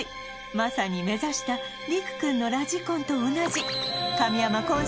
まさに目指したリク君のラジコンと同じ神山こん